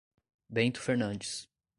Bento Fernandes